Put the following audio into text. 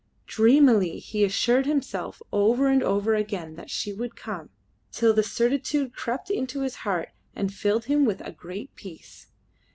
Dreamily he assured himself over and over again that she would come, till the certitude crept into his heart and filled him with a great peace.